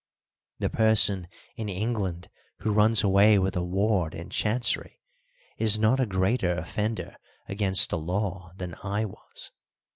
The person in England who runs away with a ward in Chancery is not a greater offender against the law than I was.